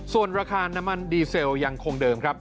ส่วนราคาน้ำมันดีเซลยังคงเดิมครับ